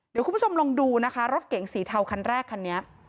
เดี๋ยวคุณผู้ชมลองดูนะคะรถเก๋งสีเทาคันแรกคันนี้